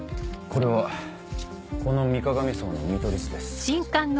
これはこの水鏡荘の見取り図です。